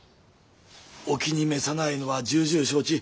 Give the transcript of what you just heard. お気に召さないのは重々承知。